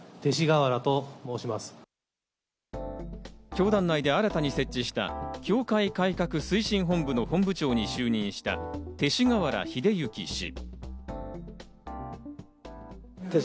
教団内で新たに設置した教会改革推進本部の本部長に就任した、勅使河原秀行氏。